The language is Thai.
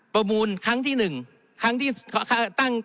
ประมูลครั้งที่๑ครั้งที่ตั้ง